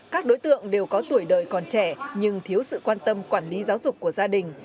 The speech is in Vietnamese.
các đối tượng đều có tuổi đời còn trẻ nhưng thiếu sự quan tâm quản lý giáo dục của gia đình